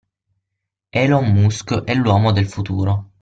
Elon Musk è l'uomo del futuro.